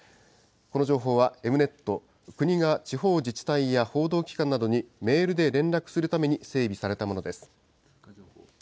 この情報はＥｍ−Ｎｅｔ、国が地方自治体や報道機関などにメールで連絡するために整備されたものです。